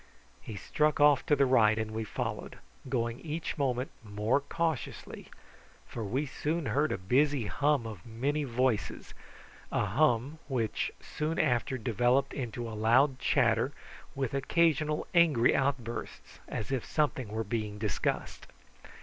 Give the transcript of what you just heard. He struck off to the right and we followed, going each minute more cautiously, for we soon heard the busy hum of many voices a hum which soon after developed into a loud chatter, with occasional angry outbursts, as if something were being discussed.